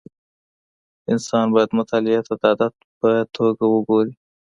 انسان باید مطالعې ته د عادت په توګه وګوري.